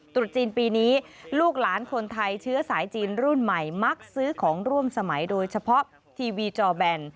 ตรุษจีนปีนี้ลูกหลานคนไทยเชื้อสายจีนรุ่นใหม่มักซื้อของร่วมสมัยโดยเฉพาะทีวีจอแบน